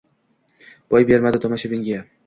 boy bermaydi tomoshabinga